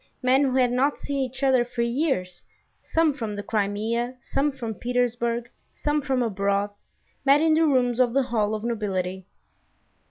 Men who had not seen each other for years, some from the Crimea, some from Petersburg, some from abroad, met in the rooms of the Hall of Nobility.